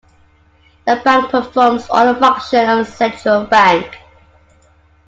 The Bank performs all the functions of a central bank.